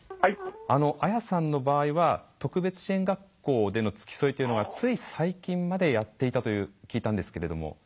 綾さんの場合は特別支援学校での付き添いというのはつい最近までやっていたと聞いたんですけれども。